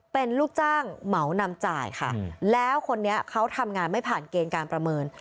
เป็นลูกจ้างเหมานำจ่ายค่ะแล้วคนนี้เขาทำงานไม่ผ่านเกณฑ์การประเมิน